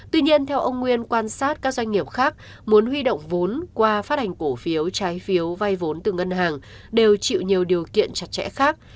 tuy nhiên theo ông nguyên quan sát các doanh nghiệp khác muốn huy động vốn qua phát hành cổ phiếu trái phiếu vay vốn từ ngân hàng đều chịu nhiều điều kiện chặt chẽ khác